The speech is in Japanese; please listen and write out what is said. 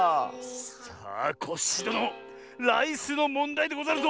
さあコッシーどのライスのもんだいでござるぞ！